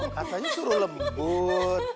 katanya suruh lembut